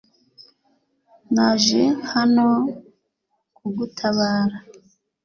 Naje hano kugutabara .